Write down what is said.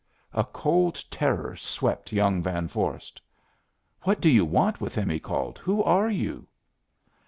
A cold terror swept young Van Vorst. "What do you want with him?" he called. "Who are you?"